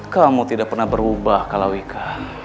kamu tidak pernah berubah kak lawika